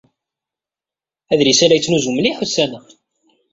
Adlis-a la yettnuzu mliḥ ussan-a.